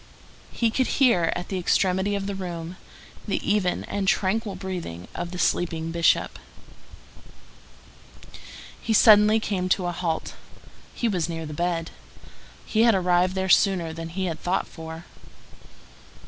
He could hear, at the extremity of the room, the even and tranquil breathing of the sleeping Bishop. He suddenly came to a halt. He was near the bed. He had arrived there sooner than he had thought for.